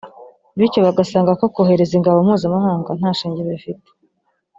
bityo bagasanga ko kohereza ingabo mpuzamahanga nta shingiro bifite